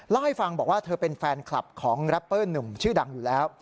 เล่าให้ฟังบอกว่าเธอเป็นแฟนคลับของแรปเปอร์หนุ่มชื่อดังอยู่แล้ว